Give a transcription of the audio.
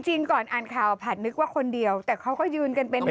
จริงก่อนอ่านข่าวผัดนึกว่าคนเดียวแต่เขาก็ยืนกันเป็น